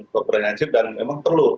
kepengenansif dan memang perlu